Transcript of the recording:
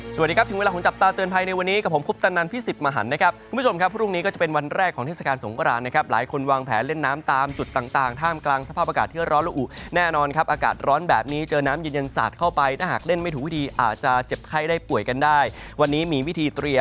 สวัสดีครับถึงเวลาของจับตาเตือนภัยในวันนี้กับผมคุบตันนันพี่สิทธิ์มาหันนะครับคุณผู้ชมครับพรุ่งนี้ก็จะเป็นวันแรกของเทศกาลสงครานนะครับหลายคนวางแผลเล่นน้ำตามจุดต่างท่ามกลางสภาพอากาศเที่ยวร้อนและอุ่นแน่นอนครับอากาศร้อนแบบนี้เจอน้ำยืนยันสาดเข้าไปถ้าหากเล่นไม่ถูกวิธีอ